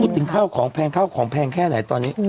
ถึงข้าวของแพงข้าวของแพงแค่ไหนตอนนี้